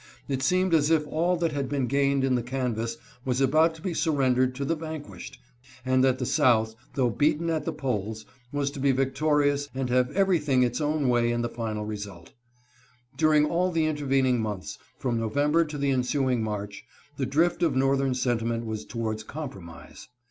It seemed as if all that had been gained in the canvass was about to be surrendered to the vanquished, and that the South, though beaten at the polls, was to be victorious and have every thing its own way in the final result. During all the intervening months, from November to the ensuing March, the drift of Northern sentiment was towards compromise.